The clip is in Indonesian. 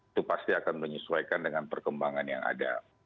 itu pasti akan menyesuaikan dengan perkembangan yang ada